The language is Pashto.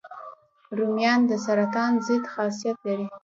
رومیان د سرطان ضد خاصیت لري